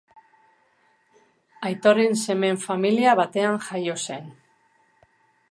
Aitoren semeen familia batean jaio zen.